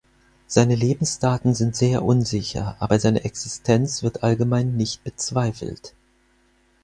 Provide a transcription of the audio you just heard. Seine Lebensdaten sind sehr unsicher, aber seine Existenz wird allgemein nicht bezweifelt.